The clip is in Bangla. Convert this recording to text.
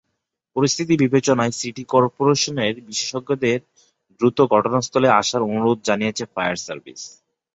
পরিস্থিতি বিবেচনায় সিটি করপোরেশনের বিশেষজ্ঞদের দ্রুত ঘটনাস্থলে আসার অনুরোধ জানিয়েছে ফায়ার সার্ভিস।